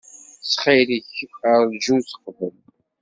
Ttxil-k, ṛju-t qbel.